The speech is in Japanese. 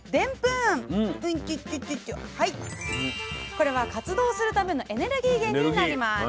これは活動するためのエネルギー源になります。